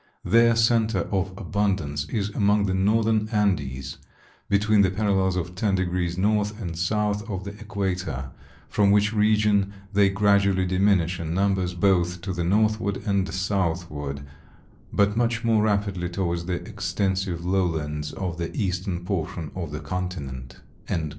Their center of abundance is among the Northern Andes, between the parallels of ten degrees north and south of the equator, from which region they gradually diminish in numbers both to the northward and southward, but much more rapidly toward the extensive lowlands of the eastern portion of the continent."